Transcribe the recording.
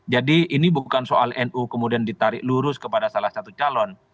jadi ini bukan soal nu kemudian ditarik lurus kepada salah satu calon